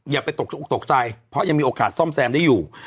อย่าไปตกจะออกตกใจเพราะยังมีโอกาสซ่อมแซมได้อยู่